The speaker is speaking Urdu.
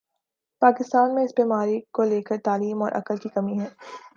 پاکستان میں اس بیماری کو لے کر تعلیم اور عقل کی کمی ہے